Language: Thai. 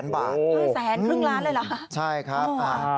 ๑๕๐๐๐๐๐บาทเลยเหรอฮะใช่ครับ